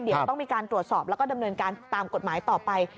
เดี๋ยวต้องมีการตรวจสอบแล้วก็ดำเนินการตามกฎหมายต่อไป